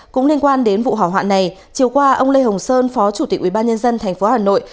cũng liên quan đến vụ hỏa hoạn này chiều qua ông lê hồng sơn phó chủ tịch ubnd tp hà nội